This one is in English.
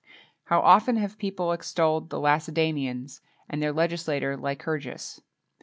[XXII 4] How often have people extolled the Lacedæmonians and their legislator, Lycurgus.